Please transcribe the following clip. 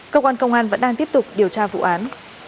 cơ quan công an vẫn đang tiếp tục điều tra vụ án